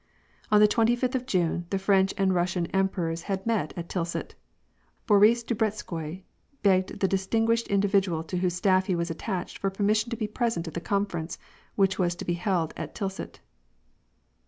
On the twenty fifth of June, the French and Russian emper ors had met at Tilsit. Boris Drubetskoi begged the distin gpished individual to whose staff he was attached for permis sion to be present at the conference, which was to be held at Tilsit.